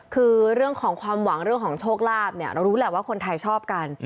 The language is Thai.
คือเรื่องของความหวังเรื่องของโชคลาภเนี่ยเรารู้แหละว่าคนไทยชอบกัน